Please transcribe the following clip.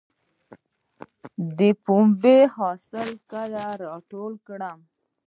د پنبې حاصل کله ټول کړم؟